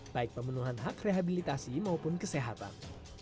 baik pemenuhan hak rehabilitasi maupun kesehatan